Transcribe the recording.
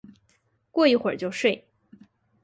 过一会就睡